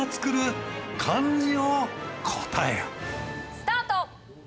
スタート！